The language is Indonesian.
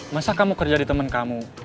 masa kamu kerja di temen kamu